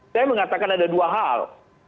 saya mengatakan ada dua hal